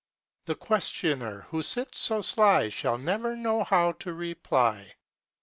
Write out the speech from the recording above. The Questioner, who sits so sly, Shall never know how to Reply.